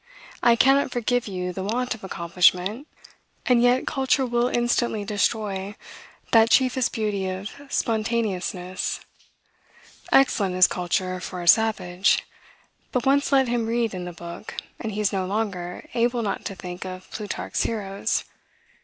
I cannot forgive you the want of accomplishment; and yet, culture will instantly destroy that chiefest beauty of spontaneousness. Excellent is culture for a savage; but once let him read in the book, and he is no longer able not to think of Plutarch's heroes.